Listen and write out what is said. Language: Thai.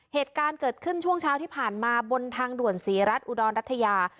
เหตุการณ์เกิดขึ้นช่วงเช้าที่ผ่านมาบนทางด่วนศรีรัฐอุดรรัฐยา